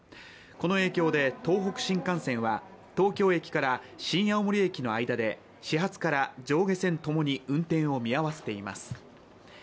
この影響で東北新幹線は東京駅から新青森駅の間で始発から上下線ともに運転を見合わせています。